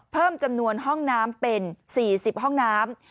เพิ่มจำนวนห้องน้ำเป็น๔๐ห้องน้ำ